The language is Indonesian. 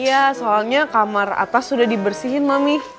iya soalnya kamar atas sudah dibersihin mami